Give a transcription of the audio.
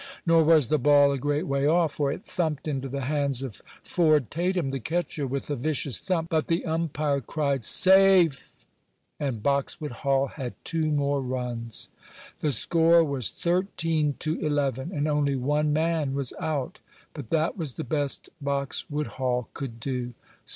Nor was the ball a great way off, for it thumped into the hands of Ford Tatum, the catcher, with a vicious thump. But the umpire cried "Safe!" and Boxwood Hall had two more runs. The score was thirteen to eleven, and only one man was out. But that was the best Boxwood Hall could do.